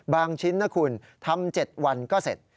ชิ้นนะคุณทำ๗วันก็เสร็จ